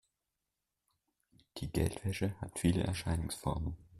Die Geldwäsche hat viele Erscheinungsformen.